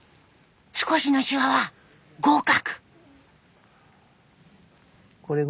少しのシワは合格。